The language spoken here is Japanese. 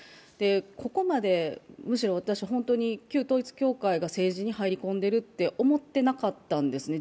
ここまで私は旧統一教会が政治に入り込んでいるって思っていなかったんですね。